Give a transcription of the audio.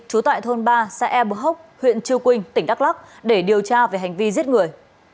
trú tại thôn ba xã e bờ hốc huyện chư quynh tỉnh đắk lắc để điều tra về hành vi giết người